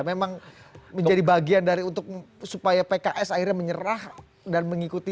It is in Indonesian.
memang menjadi bagian dari untuk supaya pks akhirnya menyerah dan mengikuti